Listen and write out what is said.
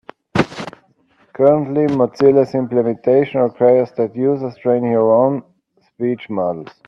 Currently, Mozilla's implementation requires that users train their own speech models.